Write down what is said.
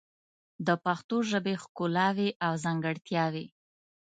د پښتو ژبې ښکلاوې او ځانګړتیاوې